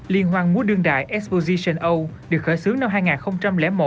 liên hoàng múa đương đài epoch session o được khởi xướng năm hai nghìn một